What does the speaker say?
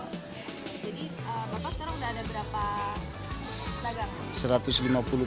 jadi berapa sekarang sudah ada berapa pedagang